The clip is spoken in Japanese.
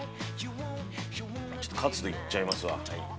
ちょっとカツでいっちゃいますわ。